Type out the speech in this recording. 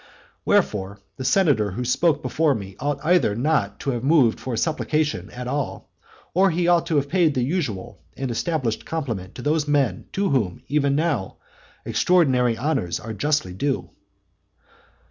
Wherefore, the senator who spoke before me ought either not to have moved for a supplication at all, or he ought to have paid the usual and established compliment to those men to whom even new and extraordinary honours are justly due.